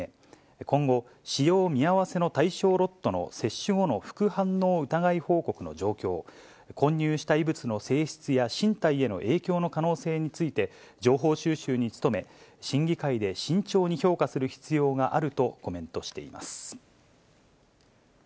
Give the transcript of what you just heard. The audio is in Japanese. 今後、使用見合わせの対象ロットの接種後の副反応疑い報告の状況、混入した異物の性質や身体への影響の可能性について、情報収集に努め、審議会で慎重に評価する必要があるとコメントしています。